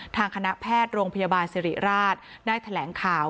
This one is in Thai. ทางคณะแพทย์โรงพยาบาลสิริราชได้แถลงข่าว